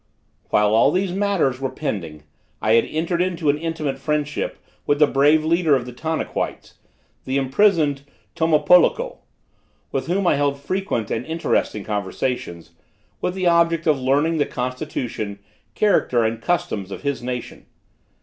While all these matters were pending, I had entered into an intimate friendship with the brave leader of the Tanaquites, the imprisoned Tomopoloko, with whom I held frequent and interesting conversations, with the object of learning the constitution, character, and customs of his nation.